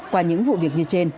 qua những vụ việc như trên